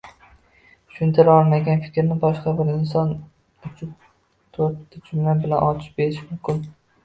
tushuntira olmagan fikrni boshqa bir inson uch-to‘rtta jumla bilan ochib berishi mumkin.